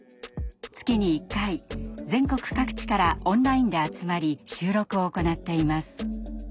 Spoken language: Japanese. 月に１回全国各地からオンラインで集まり収録を行っています。